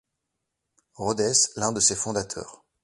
Rhodes, l'un de ses fondateurs.